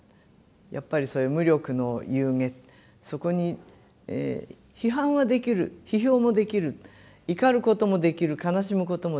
やっぱりそういう「無力の夕餉」そこに批判はできる批評もできる怒ることもできる悲しむこともできる。